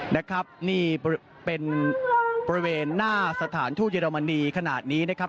นะครับนี่เป็นบริเวณหน้าสถานทูตเยอรมนีขนาดนี้นะครับ